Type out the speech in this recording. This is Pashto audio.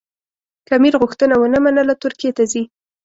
که امیر غوښتنه ونه منله ترکیې ته ځي.